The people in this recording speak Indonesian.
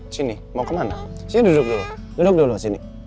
sini mau kemana sini duduk dulu duduk dulu sini